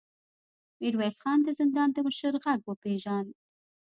ميرويس خان د زندان د مشر غږ وپېژاند.